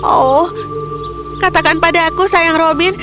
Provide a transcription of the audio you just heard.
oh katakan pada aku sayang robin